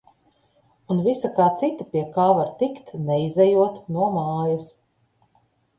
Un visa kā cita, pie kā var tikt, neizejot no mājas.